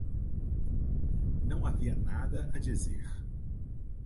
Não havia nada a dizer.